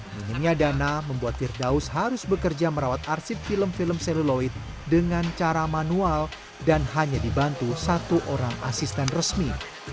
minimnya dana membuat firdaus harus bekerja merawat arsip film film seluloid dengan cara manual dan hanya dibantu satu orang asisten resmi